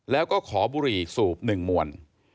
แล้วก็ขอบุหรี่สูบ๑มวล